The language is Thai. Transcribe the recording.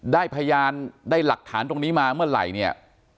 ได้พยานได้หลักฐานตรงนี้มาเมื่อไหร่เนี่ย